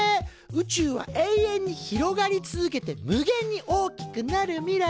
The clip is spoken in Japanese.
宇宙は永遠に広がり続けて無限に大きくなる未来。